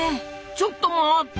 ちょっと待った！